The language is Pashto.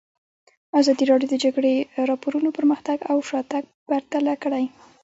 ازادي راډیو د د جګړې راپورونه پرمختګ او شاتګ پرتله کړی.